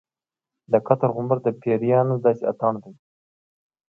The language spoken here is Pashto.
د قطر غومبر د پیریانو داسې اتڼ دی.